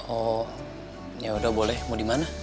oh yaudah boleh mau dimana